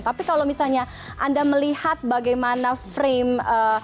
tapi kalau misalnya anda melihat bagaimana frame